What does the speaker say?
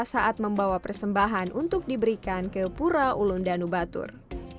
saat membawa persembahan untuk diberikan ke pura ulun danu batur